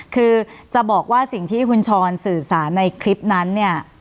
คือจะบอกว่าสิ่งที่คุณชรสื่อสารในคลิปนั้นเนี่ย